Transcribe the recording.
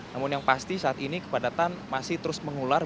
namun yang pasti saat ini kepadatan masih terus mengular